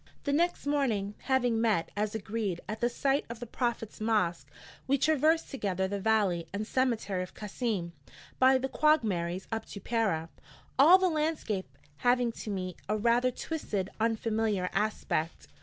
The next morning, having met, as agreed, at the site of the Prophet's mosque, we traversed together the valley and cemetery of Kassim by the quagmires up to Pera, all the landscape having to me a rather twisted unfamiliar aspect.